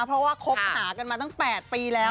เพราะว่าคบหากันมาตั้ง๘ปีแล้ว